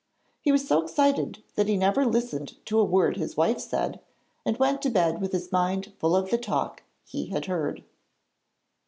He was so excited that he never listened to a word his wife said, and went to bed with his mind full of the talk he had heard.